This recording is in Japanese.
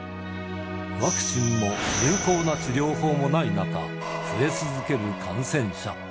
ワクチンも有効な治療法もない中、増え続ける感染者。